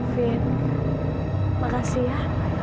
vin makasih ya